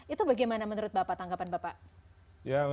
itu bagaimana menurut bapak tanggapan bapak